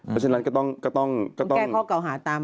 เพราะฉะนั้นก็ต้องแก้ข้อเก่าหาตาม